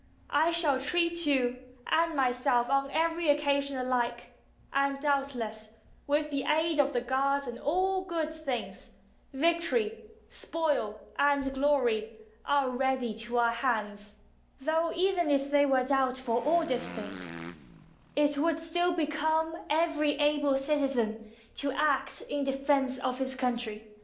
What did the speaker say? I shall treat you and myself on every occasion alike ; and, doubtless, with the aid of the gods, all good things, victory, spoil, and glory, are ready to our hands; though, even if they were doubtful or distant, it would stiU become every able citizen to act in defense of his country.